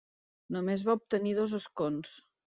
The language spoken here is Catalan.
Només va obtenir dos escons.